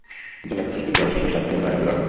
জেলাটি তিনটি তহশিল ও সাতটি উন্নয়ন ব্লকে বিভক্ত।